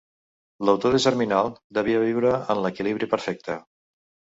L'autor de Germinal devia viure en l'equilibri perfecte.